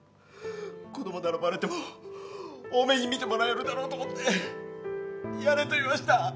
子供ならバレても大目に見てもらえるだろうと思ってやれと言いました。